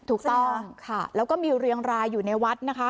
ถูกต้องค่ะแล้วก็มีเรียงรายอยู่ในวัดนะคะ